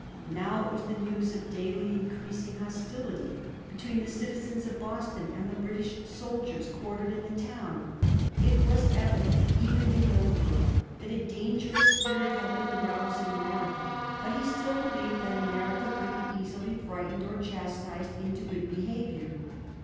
Now it was the news of daily increasing hostility between the citizens of Boston and the British soldiers quartered in the town. It was evident, even to Hillsborough, that a dangerous spirit had been aroused in America, but he still believed that America could be easily frightened or chastised into good behavior.